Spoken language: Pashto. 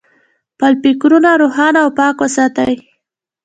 خپل فکرونه روښانه او پاک وساتئ.